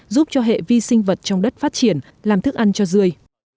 giúp cho hệ vi sinh vật trong đất phát triển làm thức ăn cho dươi